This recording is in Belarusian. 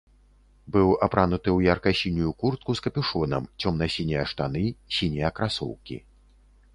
Быў апрануты ў ярка-сінюю куртку з капюшонам, цёмна-сінія штаны, сінія красоўкі.